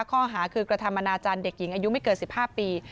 ข้อหาคือกรรธรรมนาจันทร์เด็กหญิงอายุไม่เกิดสิบห้าปี